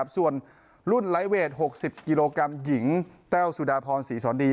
ส่วนรุ่นไลฟ์เวท๖๐กิโลกรัมหญิงแต้วสุดาพรศรีสอนดี